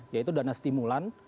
yaitu dana stimulan